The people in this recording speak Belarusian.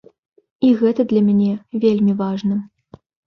І гэта для мяне вельмі важна.